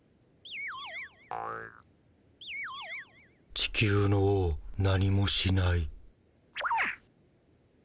地球の王何もしない。